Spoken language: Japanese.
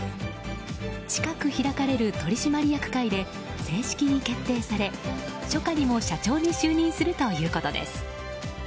近く開かれる取締役会で正式に決定され初夏にも社長に就任するということです。